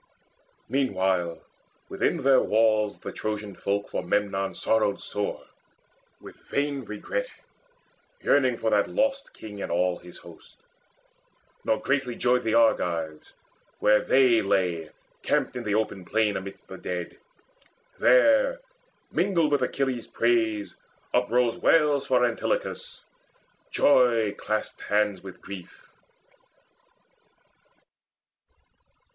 Meanwhile within their walls the Trojan folk For Memnon sorrowed sore, with vain regret Yearning for that lost king and all his host. Nor greatly joyed the Argives, where they lay Camped in the open plain amidst the dead. There, mingled with Achilles' praise, uprose Wails for Antilochus: joy clasped hands with grief.